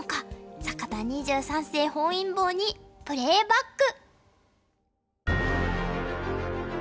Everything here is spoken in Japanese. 坂田二十三世本因坊にプレーバック！